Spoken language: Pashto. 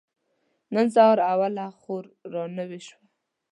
نن سهار اوله خور را نوې شوه.